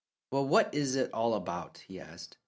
"Well, what is it all about?" he asked.